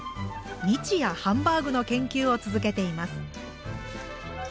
日夜ハンバーグの研究を続けています。